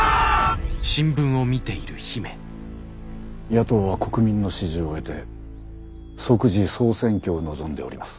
野党は国民の支持を得て即時総選挙を望んでおります。